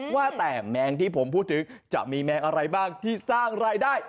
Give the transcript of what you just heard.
ว่าแต่แมงที่ผมพูดถึงจะมีแมงอะไรบ้างที่สร้างรายได้